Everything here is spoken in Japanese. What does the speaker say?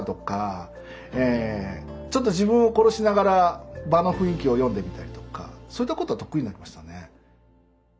ちょっと自分を殺しながら場の雰囲気を読んでみたりとかそういったことは得意になりましたね。